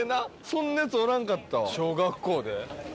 そんなヤツおらんかったわ。小学校で？